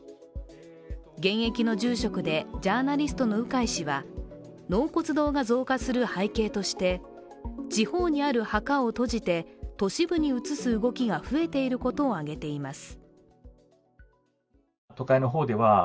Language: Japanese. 現役の住職でジャーナリストの鵜飼氏は納骨堂が増加する背景として地方にある墓を閉じて、都市部に移す動きが増えていることを挙げています。